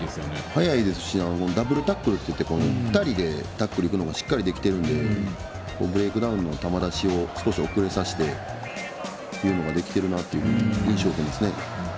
速いですしダブルタックルっていって２人でタックルいくのがしっかりできているのでブレイクダウンの球足を少しおくれだしてるというのが印象受けますね。